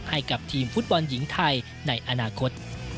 ให้กับทีมฟุตบอลหญิงไทยในอนาคต